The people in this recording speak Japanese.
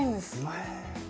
へえ。